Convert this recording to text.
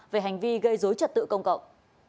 về hành vi gây dối trật tự công cộng